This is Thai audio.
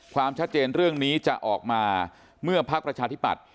ความชัดเจนเรื่องนี้จะออกมาเมื่อพักประชาธิปัตย